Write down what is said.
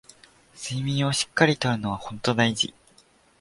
睡眠をしっかり取るのはほんと大事